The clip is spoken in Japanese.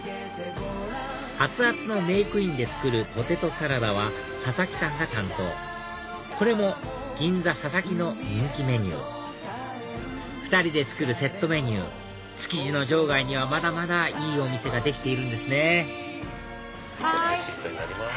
熱々のメークインで作るポテトサラダは佐々木さんが担当これも銀座佐々木の人気メニュー２人で作るセットメニュー築地の場外にはまだまだいいお店ができているんですねレシートになります。